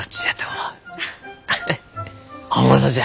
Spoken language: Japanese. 本物じゃ！